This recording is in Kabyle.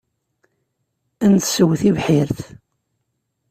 Ad nessew tibḥirt.